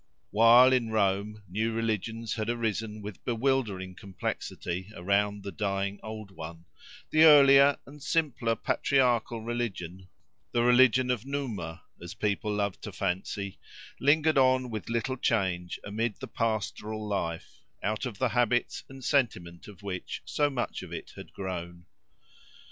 While, in Rome, new religions had arisen with bewildering complexity around the dying old one, the earlier and simpler patriarchal religion, "the religion of Numa," as people loved to fancy, lingered on with little change amid the pastoral life, out of the habits and sentiment of which so much of it had grown.